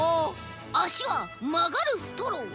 あしはまがるストロー。